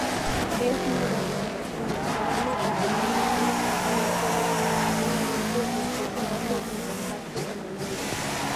Es no básico, inestable a temperatura ambiente espontáneamente inflamable en contacto con el aire.